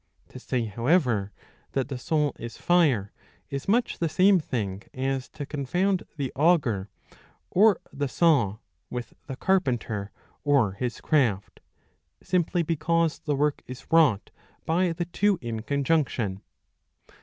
To say however that the soul is fire is much the same thing as to confound the auger or the saw with the carpenter or his craft, simply because the work is wrought by the two in conjunction.